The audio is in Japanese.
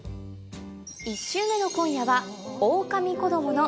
１週目の今夜は。